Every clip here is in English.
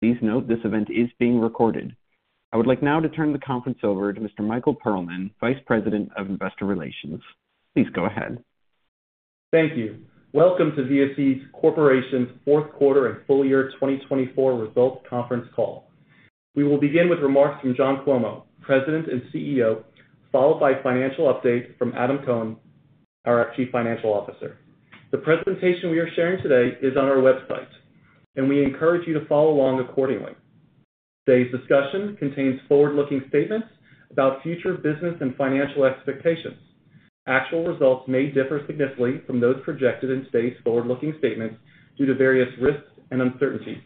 Please note this event is being recorded. I would like now to turn the conference over to Mr. Michael Perlman, Vice President of Investor Relations. Please go ahead. Thank you. Welcome to VSE Corporation's Q4 and Full Year 2024 Results Conference Call. We will begin with remarks from John Cuomo, President and CEO, followed by financial updates from Adam Cohn, our Chief Financial Officer. The presentation we are sharing today is on our website, and we encourage you to follow along accordingly. Today's discussion contains forward-looking statements about future business and financial expectations. Actual results may differ significantly from those projected in today's forward-looking statements due to various risks and uncertainties,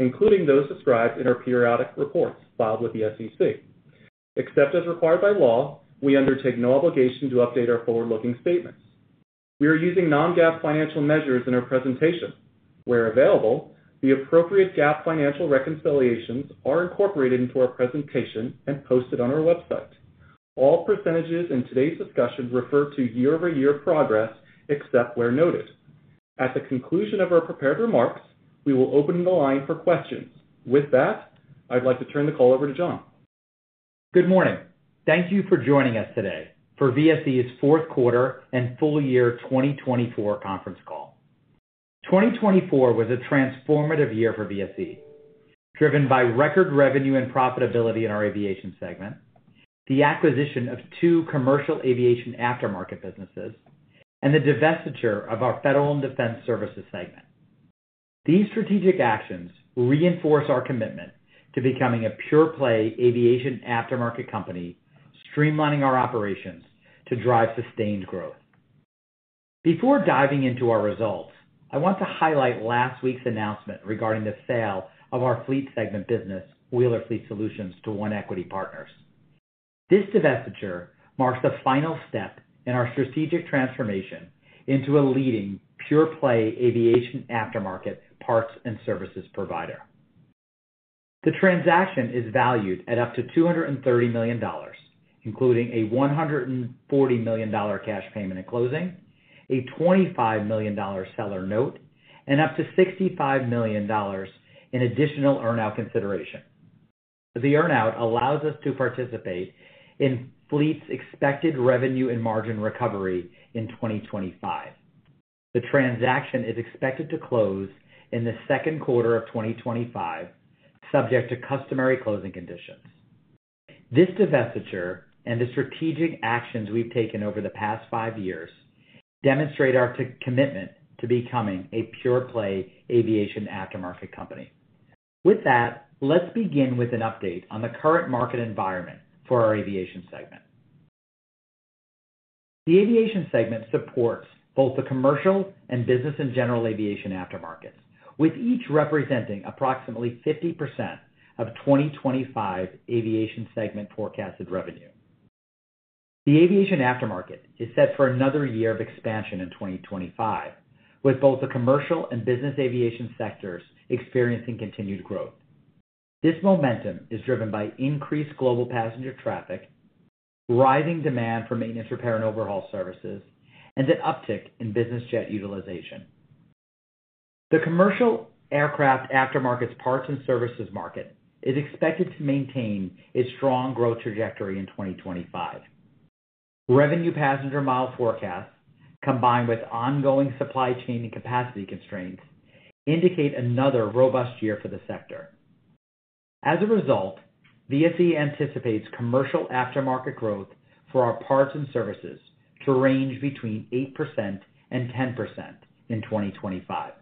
including those described in our periodic reports filed with the SEC. Except as required by law, we undertake no obligation to update our forward-looking statements. We are using non-GAAP financial measures in our presentation. Where available, the appropriate GAAP financial reconciliations are incorporated into our presentation and posted on our website. All percentages in today's discussion refer to year-over-year progress except where noted. At the conclusion of our prepared remarks, we will open the line for questions. With that, I'd like to turn the. Call over to John. Good morning. Thank you for joining us today for VSE's Q4 and Full Year 2024 Conference Call. 2024 was a transformative year for VSE driven by record revenue and profitability in our aviation segment, the acquisition of two commercial aviation aftermarket businesses and the divestiture of our federal and defense services segment. These strategic actions reinforce our commitment to becoming a pure play aviation aftermarket company and streamlining our operations to drive sustained growth. Before diving into our results, I want to highlight last week's announcement regarding the sale of our fleet segment business Wheeler Fleet Solutions to One Equity Partners. This divestiture marks the final step in our strategic transformation into a leading pure play aviation aftermarket parts and services provider. The transaction is valued at up to $230 million including a $140 million cash payment at closing, a $25 million seller note, and up to $65 million in additional earn-out consideration. The earn-out allows us to participate in Fleet's expected revenue and margin recovery in 2025. The transaction is expected to close in the Q2 of 2025, subject to customary closing conditions. This divestiture and the strategic actions we've taken over the past five years demonstrate our commitment to becoming a pure play aviation aftermarket company. With that, let's begin with an update on the current market environment for our aviation segment. The Aviation Segment supports both the commercial and business and general aviation aftermarkets, with each representing approximately 50% of 2025 Aviation Segment forecasted revenue. The aviation aftermarket is set for another year of expansion in 2025, with both the commercial and business aviation sectors experiencing continued growth. This momentum is driven by increased global passenger traffic, rising demand for maintenance, repair and overhaul services, and an uptick in business jet utilization. The commercial aircraft aftermarket parts and services market is expected to maintain its strong growth trajectory in 2025. Revenue passenger mile forecasts combined with ongoing supply chain and capacity constraints indicate another robust year for the sector. As a result, VSE anticipates commercial aftermarket growth for our parts and services to range between 8% and 10% in 2025.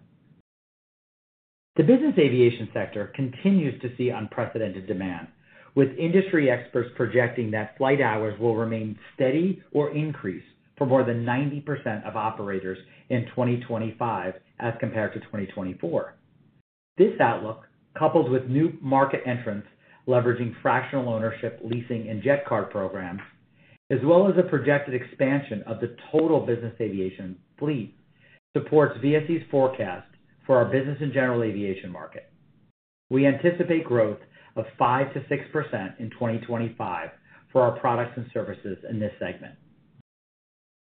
The business aviation sector continues to see unprecedented demand, with industry experts projecting that flight hours will remain steady or increase for more than 90% of operators in 2025 as compared to 2024. This outlook, coupled with new market entrants leveraging fractional ownership, leasing and jet card programs, as well as a projected expansion of the total business aviation fleet, supports VSE's forecast for our business and general aviation market. We anticipate growth of 5% to 6% in 2025 for our products and services in this segment.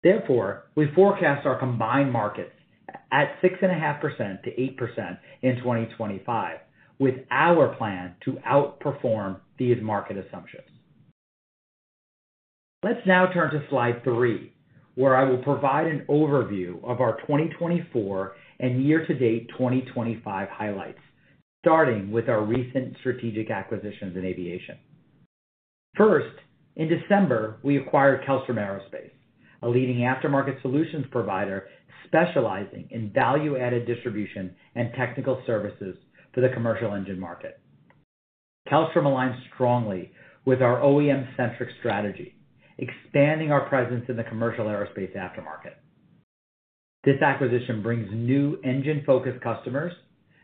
Therefore, we forecast our combined markets at 6.5% to 8% in 2025. With our plan to outperform these market assumptions. Let's now turn to slide 3 where I will provide an overview of our 2024 and year to date 2025 highlights, starting with our recent strategic acquisitions in aviation. First, in December we acquired Kellstrom Aerospace, a leading aftermarket solutions provider specializing in value added distribution and technical services for the commercial engine market. Kellstrom aligns strongly with our OEM centric strategy, expanding our presence in the commercial aerospace aftermarket. This acquisition brings new engine focused customers,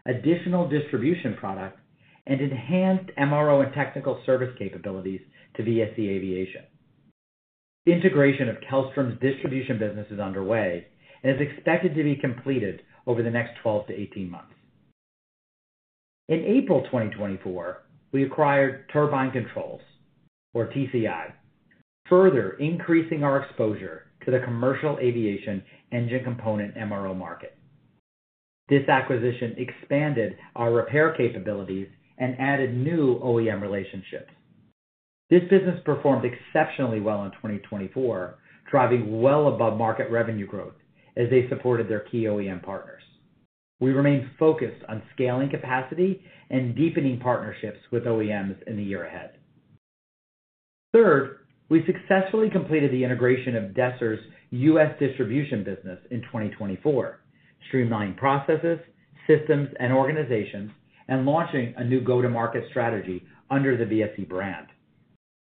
additional distribution products and enhanced MRO and technical service capabilities to VSE aviation. Integration of Kellstrom's distribution business is underway and is expected to be completed over the next 12-18 months. In April 2024, we acquired Turbine Controls, or TCI, further increasing our exposure to the commercial aviation engine component MRO market. This acquisition expanded our repair capabilities and added new OEM relationships. This business performed exceptionally well in 2024, driving well above market revenue growth as they supported their key OEM partners. We remain focused on scaling capacity and deepening partnerships with OEMs in the year ahead. Third, we successfully completed the integration of Desser's US distribution business in 2024, streamlining processes, systems and organizations and launching a new go to market strategy under the VSE brand.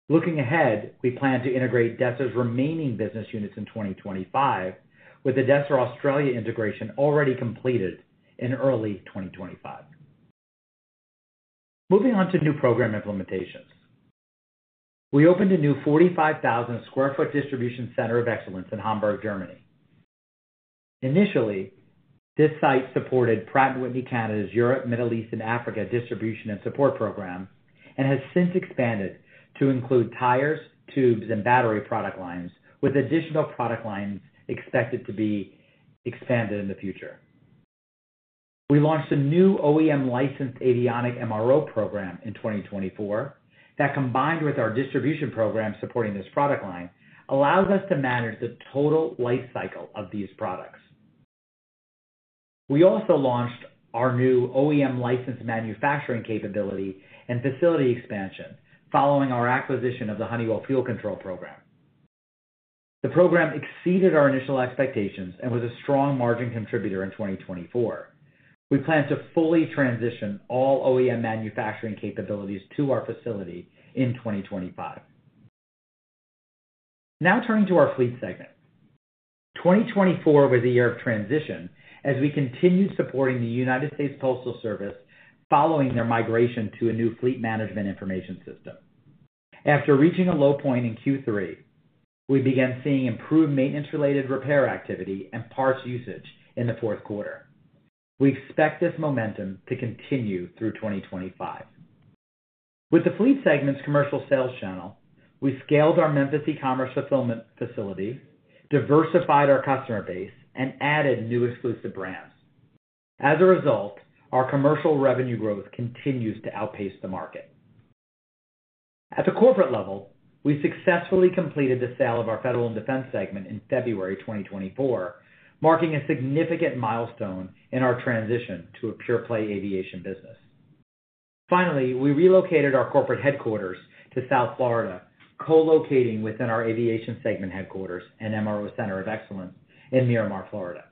Looking ahead, we plan to integrate Desser's remaining business units in 2025 with the Desser Australia Integration already completed in early 2025. Moving on to new program implementations, we opened a new 45,000 sq ft distribution center of excellence in Hamburg, Germany. Initially, this site supported Pratt & Whitney Canada's Europe, Middle East, and Africa distribution and support program and has since expanded to include tires, tubes and battery product lines with additional product lines expected to be expanded in the future. We launched a new OEM licensed avionic MRO program in 2024 that combined with our distribution program supporting this product line allows us to manage the total life cycle of these products. We also launched our new OEM-licensed manufacturing capability and facility expansion following our acquisition of the Honeywell Fuel Control Program. The program exceeded our initial expectations and was a strong margin contributor in 2024. We plan to fully transition all OEM manufacturing capabilities to our facility in 2025. Now turning to our fleet segment, 2024 was a year of transition as we continue supporting the United States Postal Service following their migration to a new Fleet Management Information System. After reaching a low point in Q3, we began seeing improved maintenance-related repair activity and parts usage in the Q4. We expect this momentum to continue through 2025 with the fleet segment's commercial sales channel. We scaled our Memphis e-commerce fulfillment facility, diversified our customer base and added new exclusive brands. As a result, our commercial revenue growth continues to outpace the market. At the corporate level, we successfully completed the sale of our Federal and Defense segment in February 2024, marking a significant milestone in our transition to a pure play aviation business. Finally, we relocated our corporate headquarters to South Florida, co-locating within our Aviation Segment headquarters and MRO Center of Excellence in Miramar, Florida.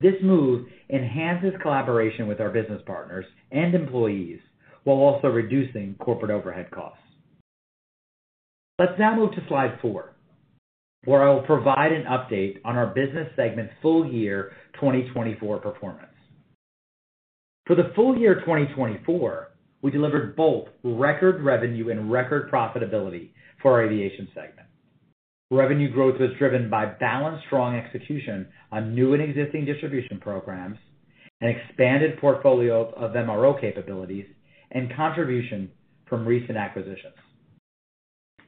This move enhances collaboration with our business partners and employees while also reducing corporate overhead costs. Let's now move to slide 4 where I will provide an update on our business segment's full year 2024 performance. For the full year 2024, we delivered both record revenue and record profitability for our aviation segment. Revenue growth was driven by balanced, strong execution on new and existing distribution programs, an expanded portfolio of MRO capabilities and contribution from recent acquisitions.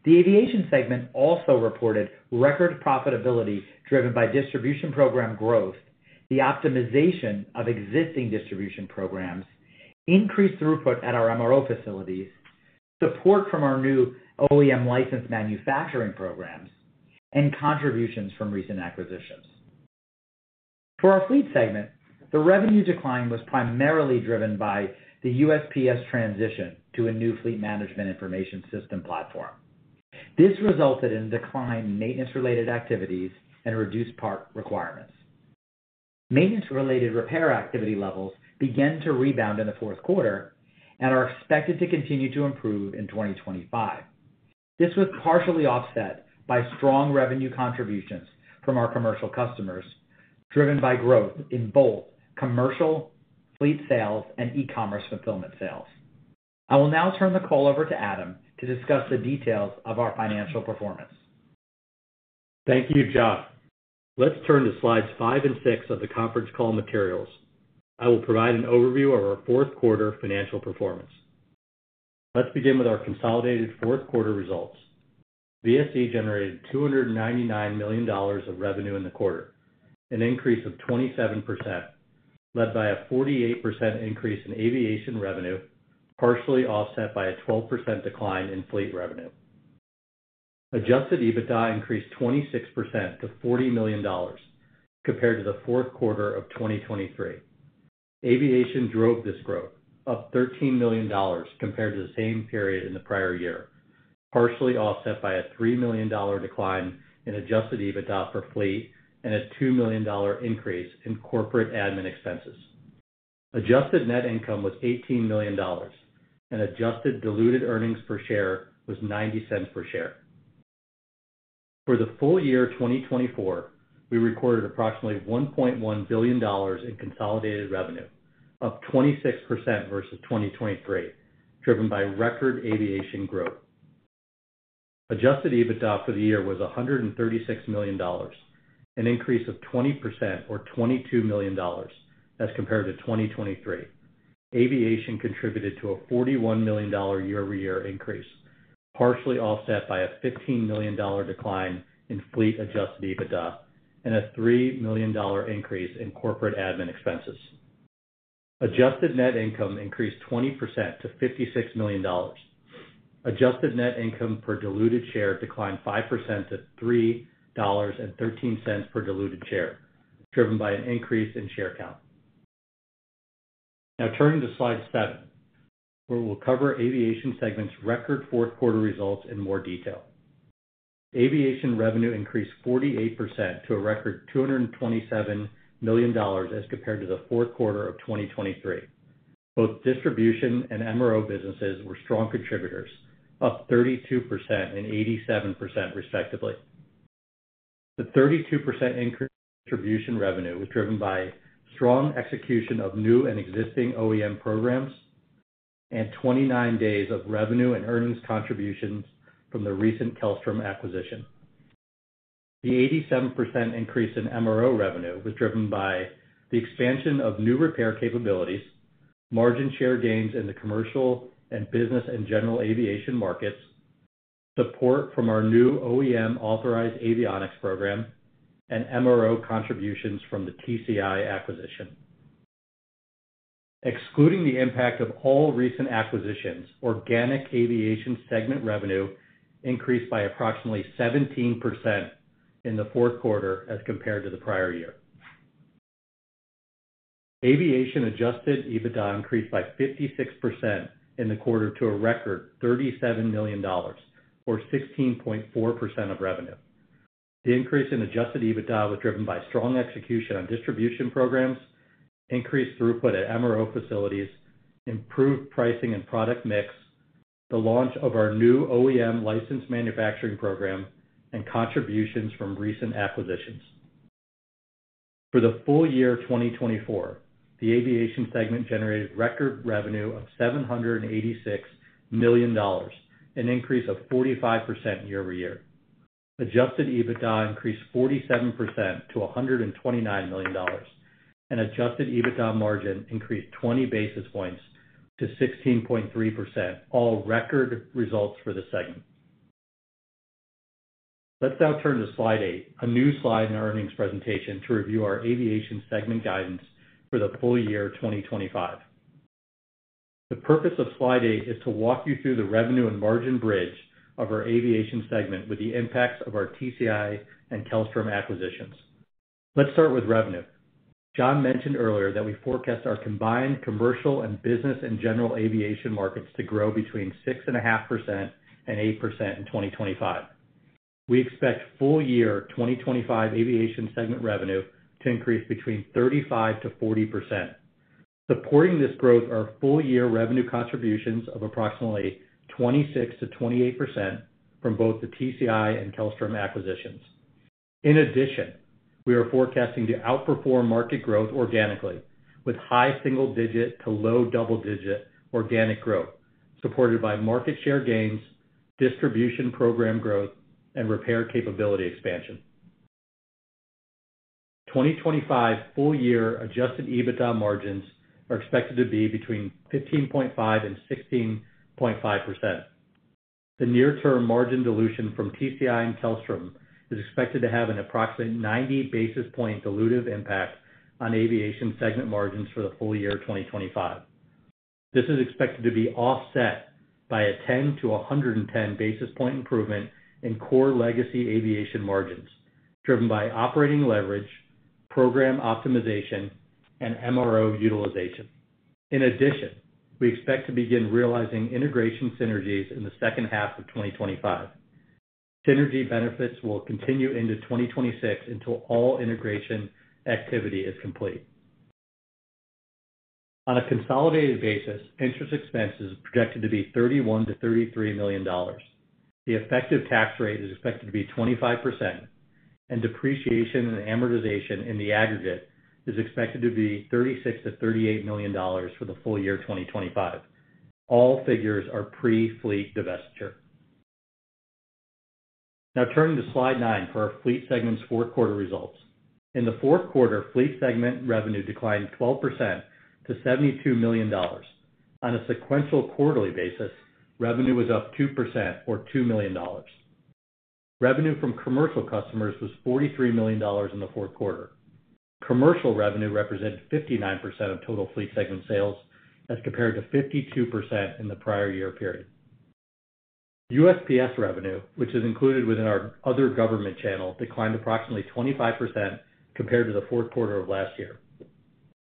The aviation segment also reported record profitability driven by distribution program growth, the optimization of existing distribution programs, increased throughput at our MRO facilities, support from our new OEM-licensed manufacturing programs, and contributions from recent acquisitions. For our fleet segment, the revenue decline was primarily driven by the USPS transition to a new Fleet Management Information System platform. This resulted in a decline in maintenance-related activities and reduced parts requirements. Maintenance-related repair activity levels began to rebound in the Q4 and are expected to continue to improve in 2025. This was partially offset by strong revenue contributions from our commercial customers driven by growth in both commercial fleet sales and e-commerce fulfillment sales. I will now turn the call over to Adam to discuss the details of our financial performance. Thank you, John. Let's turn to slides 5 and 6 of the conference call materials. I will provide an overview of our Q4 financial performance. Let's begin with our consolidated Q4 results. VSE generated $299 million of revenue in the quarter, an increase of 27%, led by a 48% increase in Aviation revenue, partially offset by a 12% decline in Fleet revenue. Adjusted EBITDA increased 26% to $40 million compared to the Q4 of 2023. Aviation drove this growth up $13 million compared to the same period in the prior year, partially offset by a $3 million decline in adjusted EBITDA per fleet and a $2 million increase in corporate admin expenses. Adjusted net income was $18 million and adjusted diluted earnings per share was $0.90 per share. For the full year 2024, we recorded approximately $1.1 billion in consolidated revenue, up 26% versus 2023, driven by record aviation growth. Adjusted EBITDA for the year was $136 million, an increase of 20% or $22 million as compared to 2023. Aviation contributed to a $41 million year-over-year increase, partially offset by a $15 million decline in fleet adjusted EBITDA and a $3 million increase in corporate admin expenses. Adjusted net income increased 20% to $56 million. Adjusted net income per diluted share declined 5% to $3.13 per diluted share, driven by an increase in share count. Now turning to Slide 7 where we'll cover Aviation Segment's record Q4 results in more detail. Aviation revenue increased 48% to a record $227 million as compared to the Q4 of 2023. Both Distribution and MRO businesses were strong contributors, up 32% and 87% respectively. The 32% increase in Distribution revenue was driven by strong execution of new and existing OEM programs and 29 days of revenue and earnings contributions from the recent Kellstrom acquisition. The 87% increase in MRO revenue was driven by the expansion of new repair capabilities, margin share gains in the commercial and business and general aviation markets. Support from our new OEM authorized avionics program and MRO contributions from the TCI acquisition. Excluding the impact of all recent acquisitions, organic aviation segment revenue increased by approximately 17% in the Q4 as compared to the prior year. Aviation adjusted EBITDA increased by 56% in the quarter to a record $37 million or 16.4% of revenue. The increase in adjusted EBITDA was driven by strong execution on distribution programs, increased throughput at MRO facilities, improved pricing and product mix, the launch of our new OEM license manufacturing program and contributions from recent acquisitions. For the full year 2024, the Aviation segment generated record revenue of $786 million, an increase of 45% year-over-year. Adjusted EBITDA increased 47% to $129 million and Adjusted EBITDA margin increased 20 basis points to 16.3%, all record results for the segment. Let's now turn to Slide 8, a new slide in our earnings presentation to review our aviation segment guidance for the full year 2025. The purpose of Slide 8 is to walk you through the revenue and margin bridge of our aviation segment with the impacts of our TCI and Kellstrom acquisitions. Let's start with revenue. John mentioned earlier that we forecast our combined commercial and business and general aviation markets to grow between 6.5% to 8% in 2025. We expect full year 2025 aviation segment revenue to increase between 35% to 40%. Supporting this growth are full year revenue contributions of approximately 26% to 28% from both the TCI and Kellstrom acquisitions. In addition, we are forecasting to outperform market growth organically with high single digit to low double digit organic growth supported by market share gains, distribution, program growth and repair capability expansion. 2025 full year Adjusted EBITDA margins are expected to be between 15.5% to 16.5%. The near term margin dilution from TCI and Kellstrom is expected to have an approximate 90 basis point dilutive impact on aviation segment margins for the full year 2025. This is expected to be offset by a 10 to 110 basis point improvement in core legacy aviation margins driven by operating leverage, program optimization and MRO utilization. In addition, we expect to begin realizing integration synergies in the second half of 2025. Synergy benefits will continue into 2026 until all integration activity is complete. On a consolidated basis, interest expense is projected to be $31 million to 33 million. The effective tax rate is expected to be 25% and depreciation and amortization in the aggregate is expected to be $36 million to 38 million for the full year 2025. All figures are pre fleet divestiture. Now turning to Slide 9 for our fleet segment's Q4 results. In the Q4, fleet segment revenue declined 12% to $72 million. On a sequential quarterly basis, revenue was up 2% or $2 million. Revenue from commercial customers was $43 million in the Q4. Commercial revenue represented 59% of total fleet segment sales as compared to 52% in the prior year period. USPS revenue, which is included within our other government channel, declined approximately 25% compared to the Q4 of last year.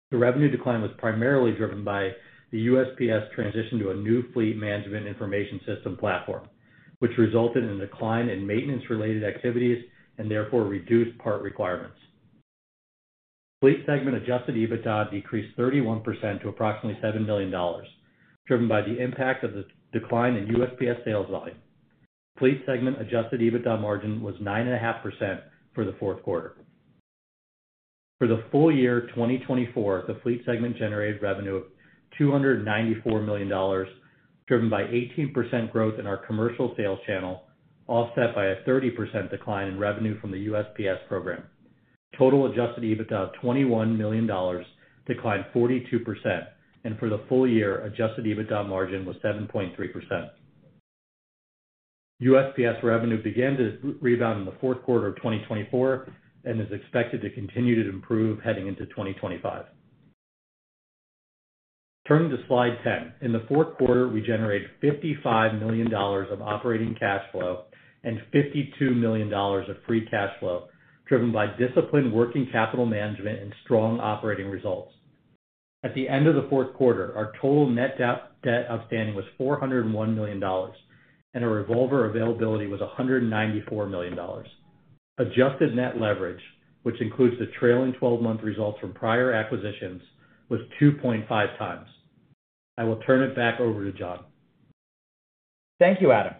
The revenue decline was primarily driven by the USPS transition to a new Fleet Management Information System platform which resulted in a decline in maintenance related activities and therefore reduced part requirements. Fleet segment Adjusted EBITDA decreased 31% to approximately $7 million driven by the impact of the decline in USPS sales volume. Fleet segment Adjusted EBITDA margin was 9.5% for the Q4. For the full year 2024, the fleet segment generated revenue of $294 million driven by 18% growth in our commercial sales channel offset by a 30% decline in revenue from the USPS program. Total Adjusted EBITDA of $21 million declined 42% and for the full year Adjusted EBITDA margin was 7.3%. USPS revenue began to rebound in the Q4 of 2024 and is expected to continue to improve heading into 2025. Turning to slide 10, in the Q4 we generated $55 million of operating cash flow and $52 million of free cash flow driven by disciplined working capital management and strong operating results. At the end of the Q4, our total net debt outstanding was $401 million and our revolver availability was $194 million. Adjusted net leverage, which includes the trailing twelve-month results from prior acquisitions, was 2.5 times. I will turn it back over to John. Thank you, Adam.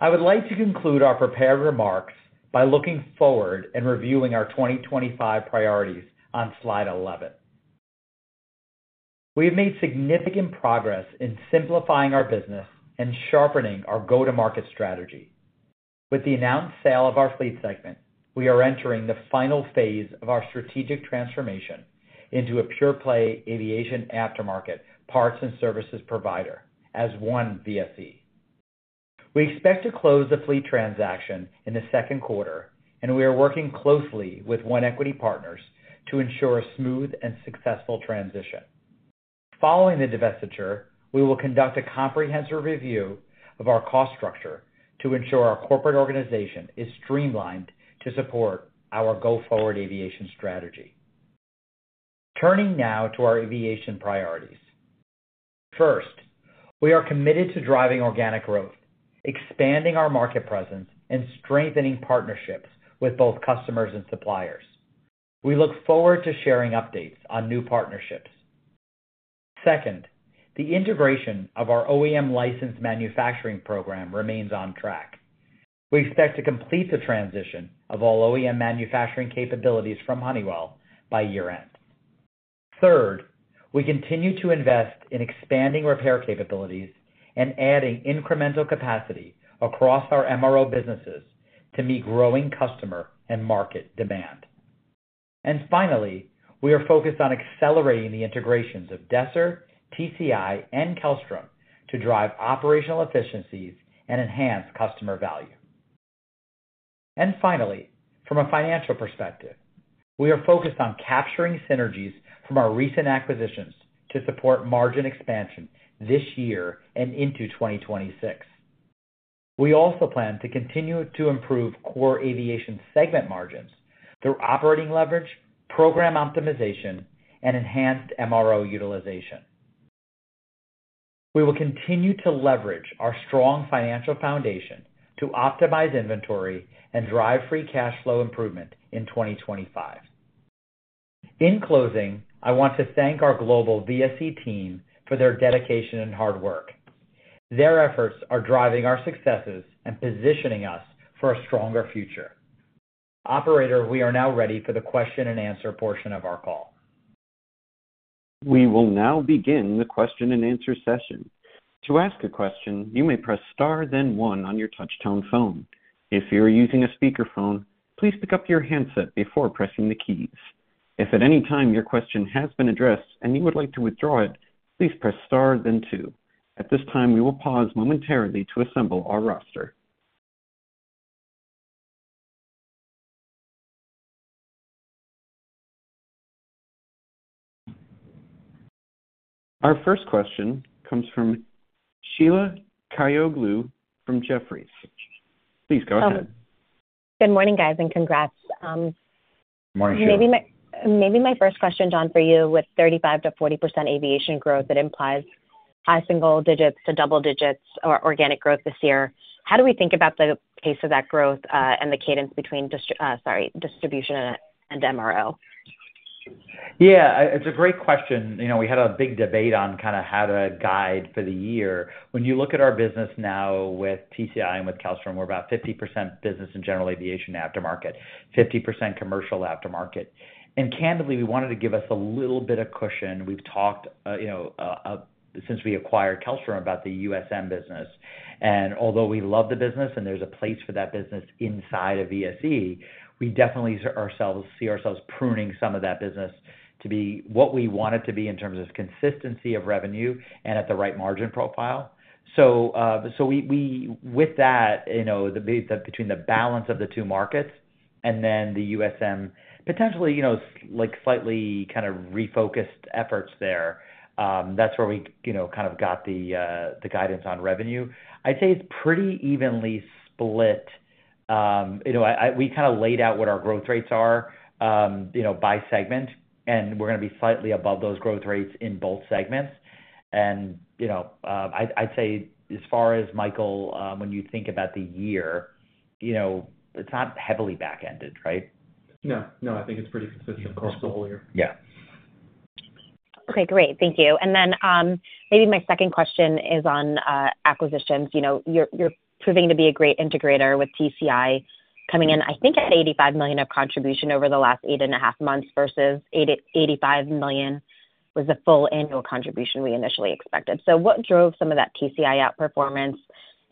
I would like to conclude our prepared remarks by looking forward and reviewing our 2025 priorities. On slide 11. We have made significant progress in simplifying our business and sharpening our go to market strategy. With the announced sale of our fleet segment, we are entering the final phase of our strategic transformation into a pure-play aviation aftermarket parts and services provider. As one VSE, we expect to close the fleet transaction in the Q2 and we are working closely with One Equity Partners to ensure a smooth and successful transition. Following the divestiture, we will conduct a comprehensive review of our cost structure to ensure our corporate organization is streamlined to support our go-forward aviation strategy. Turning now to our aviation priorities, first, we are committed to driving organic growth, expanding our market presence and strengthening partnerships with both customers and suppliers. We look forward to sharing updates on new partnerships. Second, the integration of our OEM licensed manufacturing program remains on track. We expect to complete the transition of all OEM manufacturing capabilities from Honeywell by year end. Third, we continue to invest in expanding repair capabilities and adding incremental capacity across our MRO businesses to meet growing customer and market demand. And finally, we are focused on accelerating the integrations of Desser, TCI and Kellstrom to drive operational efficiencies and enhance customer value. Finally, from a financial perspective, we are focused on capturing synergies from our recent acquisitions to support margin expansion this year and into 2026. We also plan to continue to improve core aviation segment margins and through operating leverage, program optimization and enhanced MRO utilization. We will continue to leverage our strong financial foundation to optimize inventory and drive free cash flow improvement in 2025. In closing, I want to thank our global VSE team for their dedication and hard work. Their efforts are driving our successes and positioning us for a stronger future. Operator, we are now ready for the question and answer portion of our call. We will now begin the question and answer session. To ask a question, you may press Star then one on your touchtone phone. If you are using a speakerphone, please pick up your handset before pressing the keys. If at any time your question has been addressed and you would like to withdraw it, please press star then two. At this time we will pause momentarily to assemble our roster. Our first question comes from Sheila Kahyaoglu from Jefferies. Please go ahead. Good morning guys and congrats. Maybe my first question, John, for you, with 35% to 40% aviation growth, it implies high single digits to double digits organic growth this year. How do we think about the pace of that growth and the cadence between distribution and MRO? Yeah, it's a great question. You know, we had a big debate on kind of how to guide for the year. When you look at our business now with TCI and with Kellstrom, we're about 50% business in general aviation aftermarket, 50% commercial aftermarket. And candidly we wanted to give us a little bit of cushion. We've talked about, you know, since we acquired Kellstrom, about the USM business and although we love the business and there's a place for that business inside of VSE, we definitely see ourselves pruning some of that business to be what we want it to be in terms of consistency of revenue and at the right margin profile. So, with that, you know, between the balance of the two markets and then the USM potentially, you know, like slightly kind of refocused efforts there, that's where we kind of got the guidance on revenue. I'd say it's pretty evenly split. We kind of laid out what our growth rates are by segment and we're going to be slightly above those growth rates in both segments. And I'd say as far as Michael, when you think about the year, it's not heavily back-ended, right? No, I think it's pretty consistent across the whole year. Yeah. Okay, great. Thank you. And then maybe my second question is on acquisitions. You know, you're proving to be a great integrator with TCI coming in. I think at $85 million of contribution over the last eight and a half months versus $85 million was the full annual contribution we initially expected. So what drove some of that TCI outperformance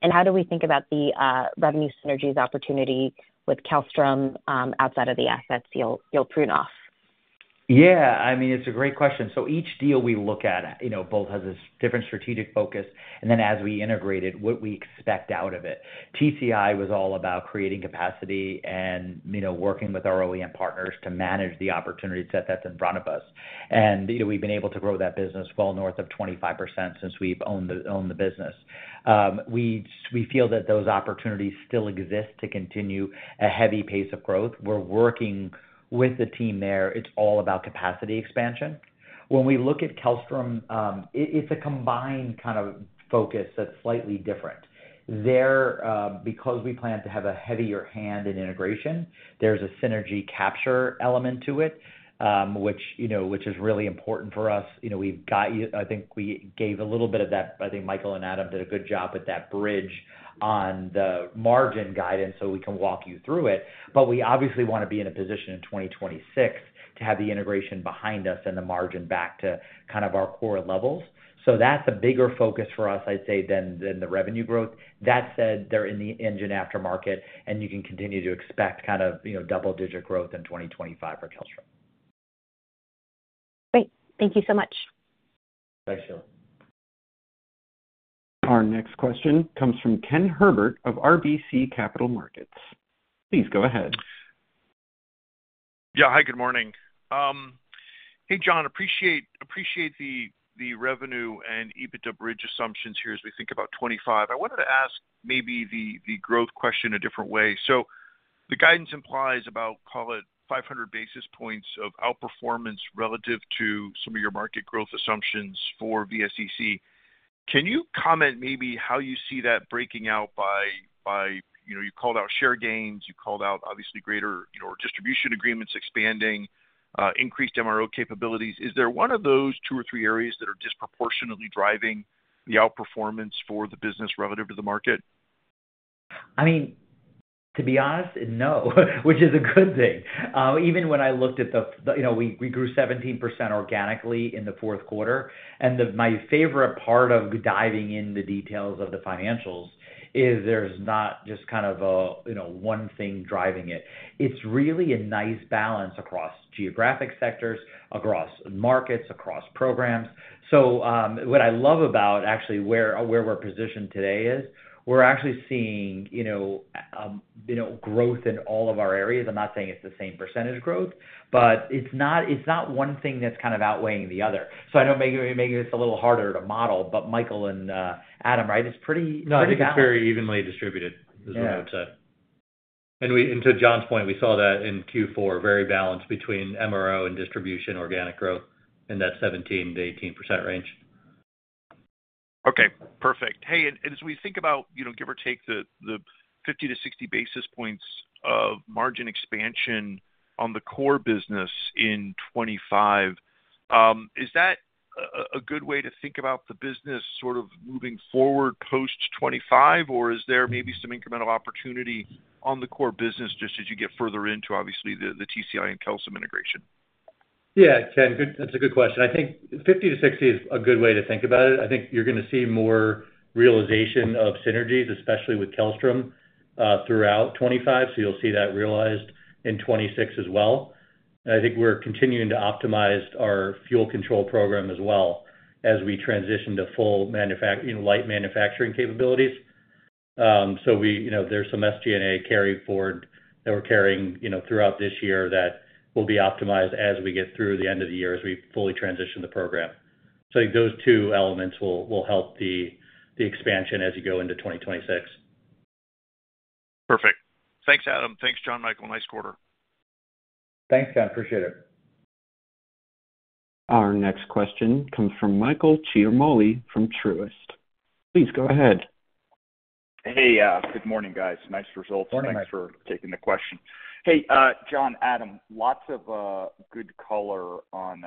and how do we think about the revenue synergies? Opportunity with Kellstrom outside of the assets you'll prune off? Yeah, I mean, it's a great question. So each deal we look at both has a different strategic focus and then as we integrate it, what we expect out of it. TCI was all about creating capacity and working with our OEM partners to manage the opportunity set that's in front of us. And we've been able to grow that business well north of 25% since we've owned the business. We feel that those opportunities still exist to continue a heavy pace of growth. We're working with the team there. It's all about capacity expansion. When we look at Kellstrom, it's a combined kind of focus that's slightly different there because we plan to have a heavier hand in integration. There's a synergy capture element to it which, you know, which is really important for us. You know, we've got you. I think we gave a little bit of that. I think Michael and Adam did a good job with that bridge on the margin guidance. So we can walk you through it. But we obviously want to be in a position in 2026 to have the integration behind us and the margin back to kind of our core levels. So that's a bigger focus for us, I'd say, than the revenue growth. That said, they're in the engine aftermarket and you can continue to expect kind of, you know, double digit growth in 2025 for Kellstrom. Great. Thank you so much. Thanks, Sheila. Our next question comes from Ken Herbert of RBC Capital Markets. Please go ahead. Yeah. Hi, good morning. Hey, John. Appreciate the revenue and EBITDA bridge assumptions here. As we think about 25. I wanted to ask maybe the growth question a different way. So the guidance implies about, call it 500 basis points of outperformance relative to some of your market growth assumptions for VSE. Can you comment maybe how you see that breaking out by, you know, you called out share gains, you called out obviously greater distribution agreements, expanding increased MRO capabilities. Is there one of those two or three areas that are disproportionately driving the outperformance for the business relative to the market? I mean, to be honest, no. Which is a good thing. Even when I looked at the, you know, we grew 17% organically in the Q4. And my favorite part of diving in the details of the financials is there's not just kind of one thing driving it. It's really a nice balance across geographic sectors, across markets, across programs. So what I love about actually where we're positioned today is we're actually seeing. Growth in all of our areas. I'm not saying it's the same percentage growth, but it's not one thing that's kind of outweighing the other. So I know maybe it's a little harder to model, but. Michael and Adam, right. It's pretty. No, I think it's very evenly distributed is what I would say. And to John's point, we saw that in Q4, very balanced between MRO and distribution, organic growth in that 17% to 18% range. Okay, perfect. Hey, and as we think about, give or take, the 50 to 60 basis points of margin expansion on the core business in 2025, is that a good way to think about the business sort of moving forward post 2025, or is there maybe some incremental opportunity on the core business just as you get further into obviously the TCI and Kellstrom integration? Yeah, Ken, good. That's a good question. I think 50 to 60 is a good way to think about it. I think you're going to see more realization of synergies, especially with Kellstrom throughout 2025. So you'll see that realized in 2026 as well. I think we're continuing to optimize our fuel control program as well as we transition to full manufacturing, light manufacturing capabilities. So we, you know, there's some SG&A carry forward that we're carrying, you know, throughout this year that will be optimized as we get through the end of the year as we fully transition the program. So those two elements will help the expansion as you go into 2026. Perfect. Thanks, Adam. Thanks, John. Michael, nice quarter. Thanks, John. Appreciate it. Our next question comes from Michael Ciarmoli from Truist. Please go ahead. Hey, good morning guys. Nice results. Thanks for taking the question. Hey, John. Adam, lots of good color on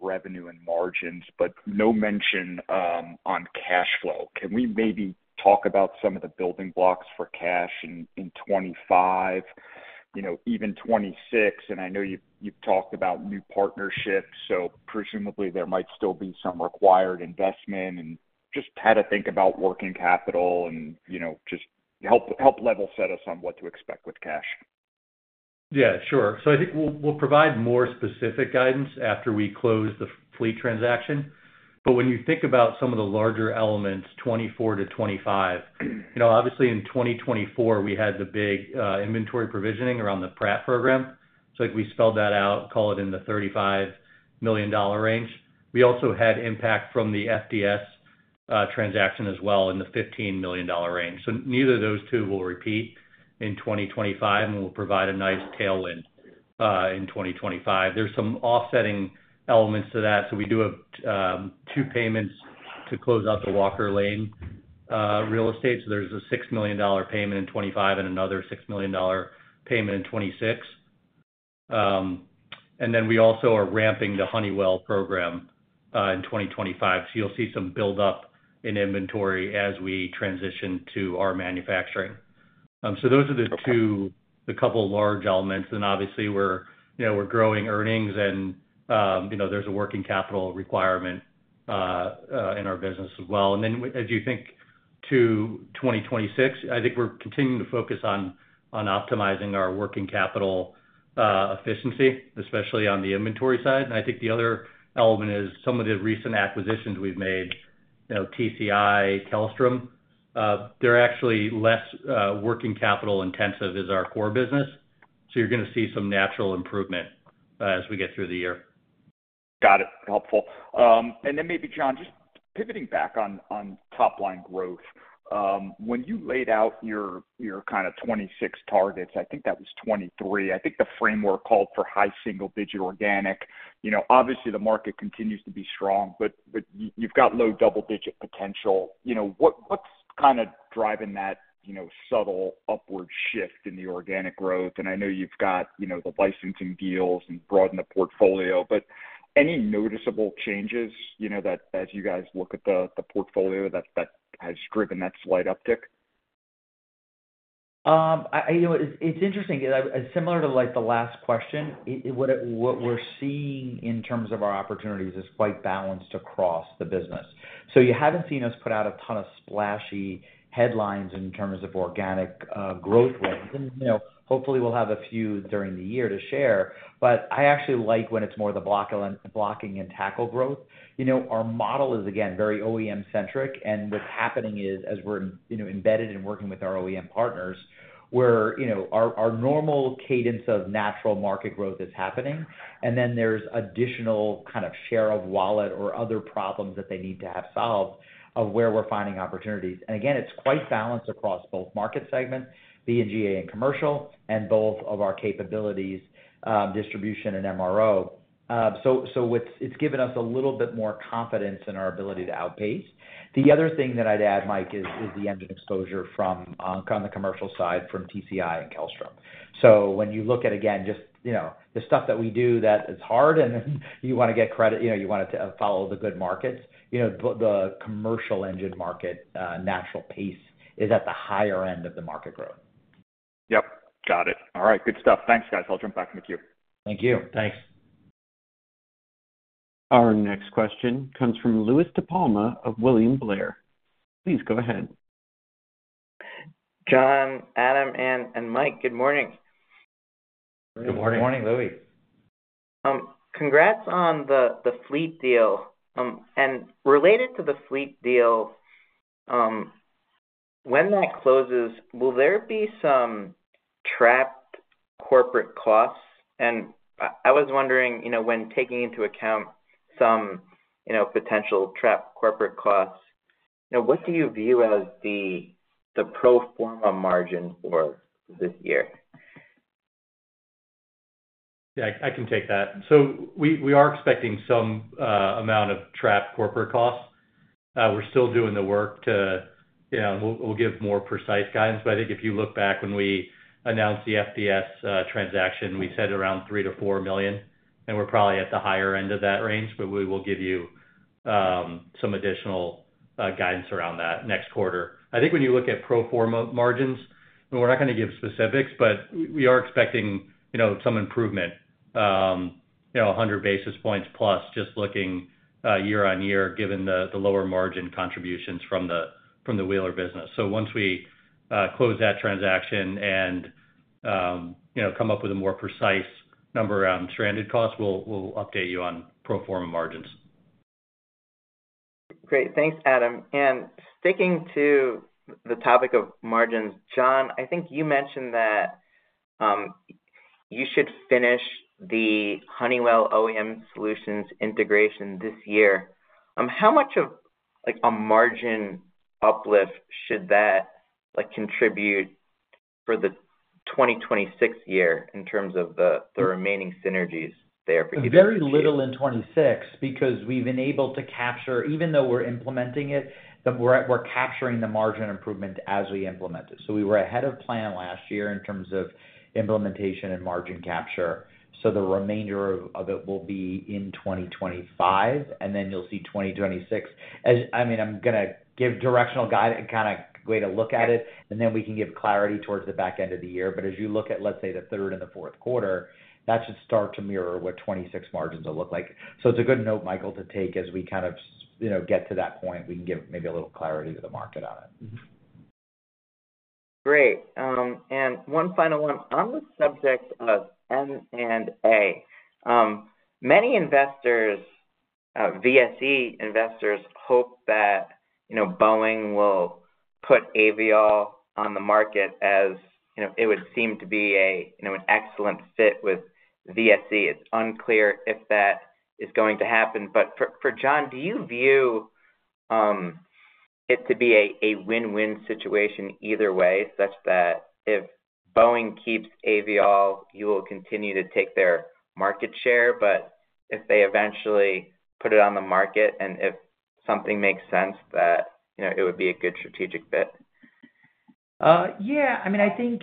revenue and margins, but no mention on cash flow. Can we maybe talk about some of the building blocks for cash in 2025, you know, even 2026? And I know you, you've talked about new partnerships, so presumably there might still be some required investment and just had to think about working capital and you know, just help level set us on what to expect with cash. Yeah, sure. So I think we'll provide more specific guidance after we close the fleet transaction. But when you think about some of the larger elements, 2024 to 2025, you know, obviously in 2024 we had the big inventory provisioning around the Pratt program. So we spelled that out, call it in the $35 million range. We also had impact from the FDS transaction as well in the $15 million range. So neither of those two will repeat in 2025 and will provide a nice tailwind in 2025. There's some offsetting elements to that. So we do have two payments to close out the Walker Lane real estate. So there's a $6 million payment in 2025 and another $6 million payment in 2026. And then we also are ramping the Honeywell program in 2025. So you'll see some buildup in inventory as we transition to our manufacturing. So those are the two, the couple large elements. And obviously we're growing earnings and there's a working capital requirement in our business as well. And then as you think to 2026, I think we're continuing to focus on optimizing our working capital efficiency, especially on the inventory side. And I think the other element is some of the recent acquisitions we've made. TCI, Kellstrom, they're actually less working capital intensive as our core business. So you're going to see some natural improvement as we get through the year. Got it. Helpful. And then maybe John, just pivoting back on top line growth. When you laid out your kind of 2026 targets, I think that was 2023. I think the framework called for high single-digit organic. Obviously the market continues to be strong, but you've got low double-digit potential. What's kind of driving that subtle upward shift in the organic growth and I know you've got the licensing deals and broaden the portfolio, but any noticeable changes as you guys look at the portfolio that has driven that slight uptick? It's interesting. Similar to the last question, what we're seeing in terms of our opportunities is quite balanced across the business. So you haven't seen us put out a ton of splashy headlines in terms of organic growth. Hopefully we'll have a few during the year to share. But I actually like when it's more the blocking and tackle growth. Our model is again, very OEM centric. And what's happening is as we're embedded in working with our OEM partners, our normal cadence of natural market growth is happening. And then there's additional kind of share of wallet or other problems that they need to have solved of where we're finding opportunities. And again, it's quite balanced across both market segments, B&GA and commercial, and both of our capabilities, distribution and MRO. So it's given us a little bit more confidence in our ability to outpace. The other thing that I'd add, Mike, is the engine exposure from the commercial side from TCI and Kellstrom. So when you look at again, just, you know, the stuff that we do that it's hard and you want to get credit, you know, you want to follow the good markets, you know, the commercial engine market natural pace is at the higher end of the market growth. Yep, got it. All right, good stuff. Thanks, guys. I'll jump back in the queue. Thank you. Thanks. Our next question comes from Louie DiPalma of William Blair. Please go ahead. John, Adam and Mike, good morning. Good morning. Good morning, Louie. Congrats on the fleet deal and related to the fleet deal. When that closes, will there be some trapped corporate costs? And I was wondering when taking into account some, you know, potential trapped corporate costs now, what do you view as the pro forma margin for this year? Yeah, I can take that. So we are expecting some amount of trapped corporate costs. We're still doing the work to, you know, we'll give more precise guidance, but I think if you look back when we announced the FDS transaction, we said around $3 million to 4 million and we're probably at the higher end of that range, but we will give you some additional guidance around that next quarter. I think when you look at pro forma margins, we're not going to give specifics, but we are expecting some improvement. 100 basis points plus just looking year on year, given the lower margin contributions from the Wheeler business. So once we close that transaction and. Come up with a more precise number on stranded costs. We'll update you on pro forma margins. Great. Thanks, Adam, and sticking to the topic of margins, John, I think you mentioned that. You should finish the Honeywell OEM Solutions integration this year. How much of a margin uplift should that contribute for the 2026 year? In terms of the remaining synergies, there's. Very little in 2026 because we've been able to capture. Even though we're implementing it, we're capturing the margin improvement as we implement it. So we were ahead of plan last year in terms of implementation and margin capture. So the remainder of it will be in 2025 and then you'll see 2026. I mean, I'm going to give directional guidance kind of way to look at it, and then we can give clarity towards the back end of the year. But as you look at, let's say, the third and the Q4, that should start to mirror what 2026 margins will look like. So it's a good note, Michael, to take. As we kind of get to that point, we can give maybe a little clarity to the market on it. Great. And one final one on the subject of M and A, many investors, VSE investors hope that Boeing will put Aviall on the market as it would seem to be an excellent fit with VSE. It's unclear if that is going to happen, but for John, do you view. It'd be a win-win situation either way, such that if Boeing keeps Aviall, you will continue to take their market share, but if they eventually put it on the market and if something makes sense, that it would be a good strategic fit? Yeah, I mean, I think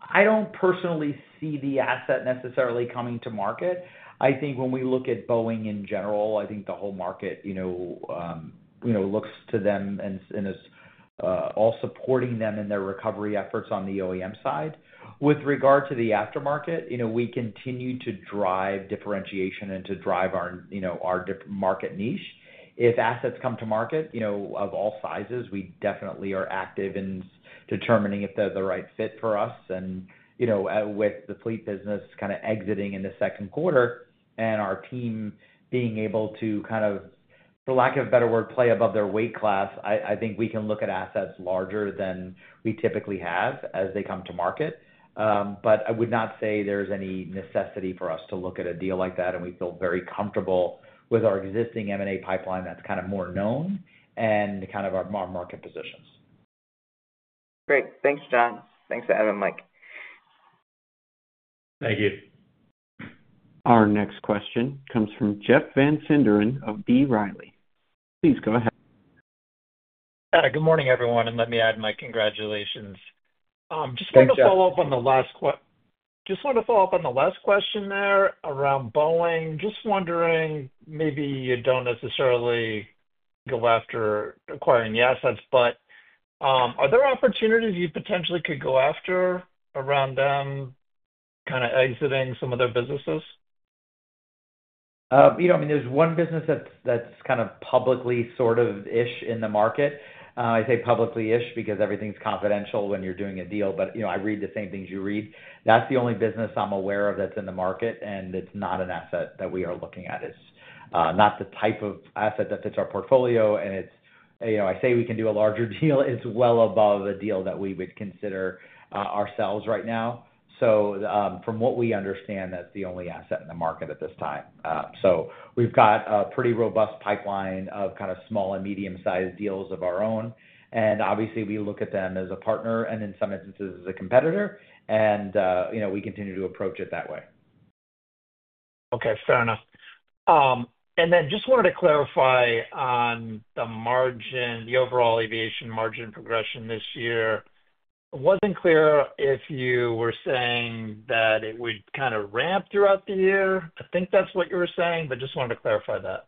I don't personally see the asset necessarily coming to market. I think when we look at Boeing in general, I think the whole market. Looks to them and is all supporting them in their recovery efforts. On the OEM side, with regard to the aftermarket, we continue to drive differentiation and to drive our market niche. If assets come to market of all sizes, we definitely are active in determining if they're the right fit for us. With the fleet business exiting in the Q2 and our team being able to, for lack of a better word, play above their weight class, I think we can look at assets larger than we typically have as they come to market, but I would not say there's any necessity for us to look at a deal like that. We feel very comfortable with our existing M&A pipeline that's kind of more known and kind of our market positions. Great. Thanks, John. Thanks for having Mike. Thank you. Our next question comes from Jeff Van Sinderen of B. Riley. Please go ahead. Good morning, everyone, and let me add my congratulations. Just want to follow up on the last question there. Around Boeing, just wondering, maybe you don't necessarily go after acquiring the assets, but are there opportunities you potentially could go after around them kind of exiting some of their businesses? You know, I mean, there's one business that's kind of publicly sort of-ish in the market. I say publicly ish-because everything's confidential when you're doing a deal. But, you know, I read the same things you read. That's the only business I'm aware of that's in the market. And it's not an asset that we are looking at. It's not the type of asset that fits our portfolio. And it's, you know, I say we can do a larger deal. It's well above a deal that we would consider ourselves right now. So from what we understand, that's the only asset in the market at this time. So we've got a pretty robust pipeline of kind of small and medium sized deals of our own. And obviously we look at them as a partner and in some instances as a competitor and, you know, we continue to approach it that way. Okay, fair enough. And then just wanted to clarify on the margin, the overall aviation margin progression this year wasn't clear if you were saying that it would kind of ramp throughout the year? I think that's what you were saying. But just wanted to clarify that.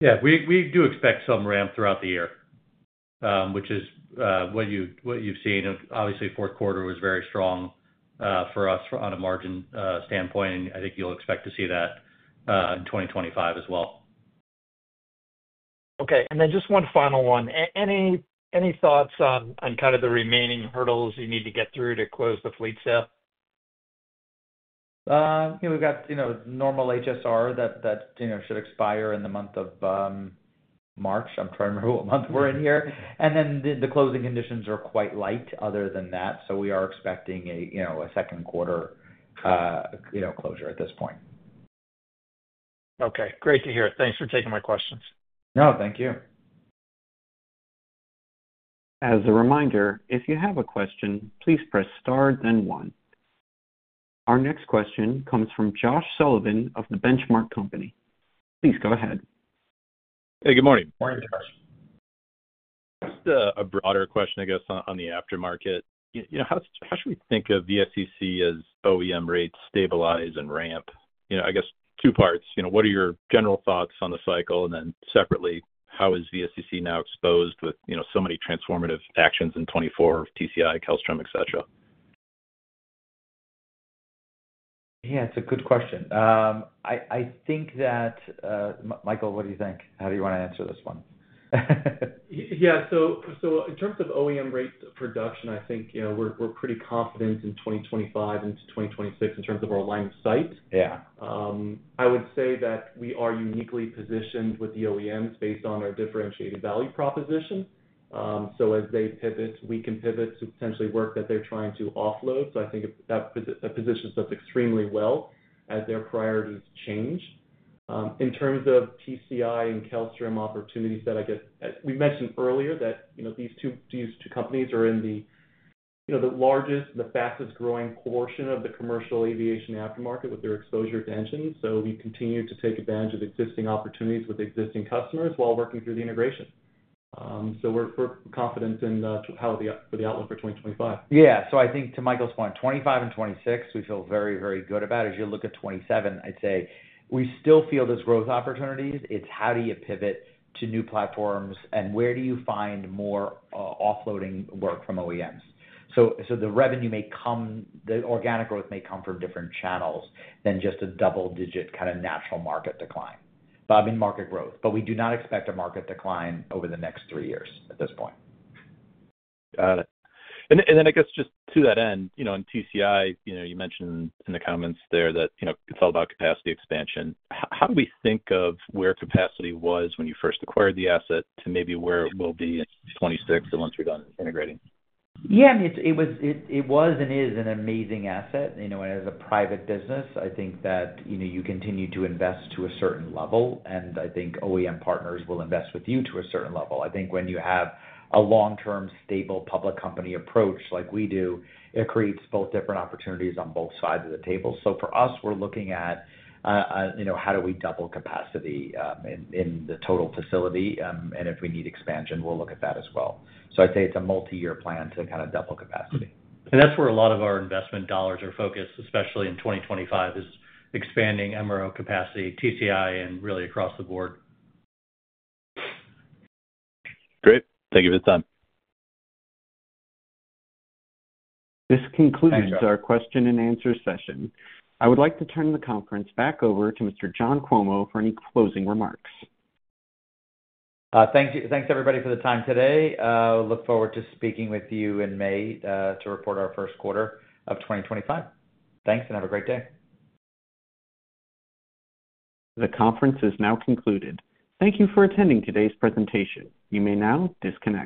Yeah, we do expect some ramp throughout the year, which is what you've seen. Obviously, Q4 was very strong for us on a margin standpoint, and I think you'll expect to see that in 2025 as well. Okay. And then just one final one. Any thoughts on kind of the remaining hurdles you need to get through to close the fleet sale? We've got, you know, normal HSR that should expire in the month of March. I'm trying to remember what month we're in here. And then the closing conditions are quite light other than that. So we are expecting a Q2, you know, closure at this point. Okay, great to hear it. Thanks for taking my questions. No, thank you. As a reminder, if you have a question, please press star then one. Our next question comes from Josh Sullivan of the Benchmark Company. Please go ahead. Hey, good morning. Morning, Josh. Just a broader question, I guess, on the aftermarket, you know, how should we think of VSE as OEM rates stabilize and ramp? You know, I guess two parts, you know, what are your general thoughts on the cycle? And then separately, how is VSE now exposed with, you know, so many transformative actions in 2024, TCI, Kellstrom, etc. Yeah, it's a good question. I think that Michael, what do you think? How do you want to answer this one? Yeah, so in terms of OEM rate production, I think we're pretty confident in 2025 into 2026 in terms of our line of sight. I would say that we are uniquely positioned with the OEMs based on our differentiated value proposition. So as they pivot, we can pivot to potentially work that they're trying to offload. So I think that positions us extremely well as their priorities change in terms of TCI and Kellstrom opportunities that I guess we mentioned earlier that these two companies are in the largest, the fastest growing portion of the commercial aviation aftermarket with their exposure to engines. So we continue to take advantage of existing opportunities with existing customers while working through the integration. So we're confident in the outlook for 2025. Yeah, so I think to Michael's point, 2025 and 2026, we feel very, very good about. As you look at 2027, I'd say we still feel there's growth opportunities. It's how do you pivot to new platforms and where do you find more offloading work from OEMs? So the revenue may come, the organic growth may come from different channels than just a double digit kind of natural market decline. I mean market growth. But we do not expect a market decline over the next three years at this point. Got it. And then I guess just to that end in TCI, you mentioned in the comments there that it's all about capacity expansion. How do we think of where capacity was when you first acquired the asset to maybe where it will be in 2026 once you're done integrating? Yeah, it was and is an amazing asset as a private business. I think that you continue to invest to a certain level and I think OEM partners will invest with you to a certain level. I think when you have a long-term stable public company approach like we do, it creates both different opportunities on both sides of the table. So for us we're looking at, you know, how do we double capacity in the total facility and if we need expansion, we'll look at that as well. So I'd say it's a multi-year plan to kind of double capacity and. That's where a lot of our investment dollars are focused, especially in 2025, is expanding MRO capacity. TCI and really across the board. Great. Thank you for. This concludes our question and answer session. I would like to turn the conference back over to Mr. John Cuomo for any closing remarks. Thanks everybody for the time today. Look forward to speaking with you in May to report our Q1 of 2025. Thanks and have a great day. The conference is now concluded. Thank you for attending today's presentation. You may now disconnect.